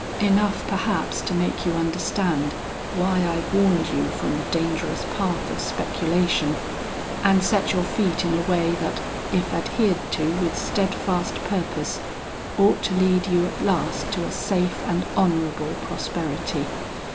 Enough perhaps to make you understand why I warned you from the dangerous path of speculation, and set your feet in a way that if adhered to with steadfast purpose, ought to lead you at last to a safe and honorable prosperity.